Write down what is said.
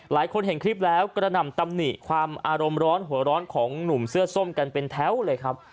หลายคนเห็นคลิปแล้วกระหน่ำตำหนิความอารมณ์ร้อนหัวร้อนของหนุ่มเสื้อส้มกันเป็นแถวเลยครับ